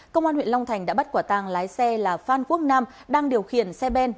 công an huyện long thành đã bắt quả tàng lái xe là phan quốc nam đang điều khiển xe ben